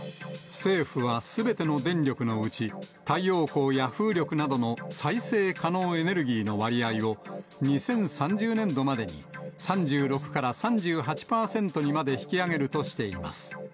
政府はすべての電力のうち、太陽光や風力などの再生可能エネルギーの割合を２０３０年度までに３６から３８％にまで引き上げるとしています。